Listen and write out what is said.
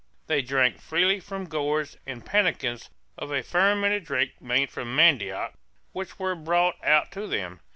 They drank freely from gourds and pannikins of a fermented drink made from mandioc which were brought out to them.